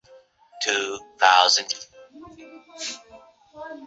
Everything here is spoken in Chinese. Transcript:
俄勒冈大学位于此市。